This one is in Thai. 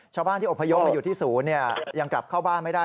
ชาวบ้านที่อบพยพมาอยู่ที่ศูนย์ยังกลับเข้าบ้านไม่ได้